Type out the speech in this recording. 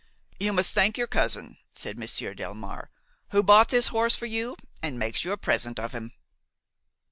"You must thank your cousin," said Monsieur Delmare, "who bought this horse for you and makes you a present of him."